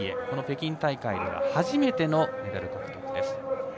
この北京大会では初めてのメダル獲得です。